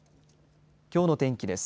きょうの天気です。